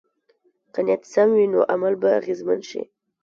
که نیت سم وي، نو عمل به اغېزمن شي.